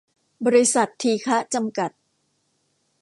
บริษัท ทีฆะ จำกัด